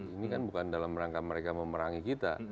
ini kan bukan dalam rangka mereka memerangi kita